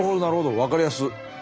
分かりやす！